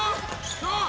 そう！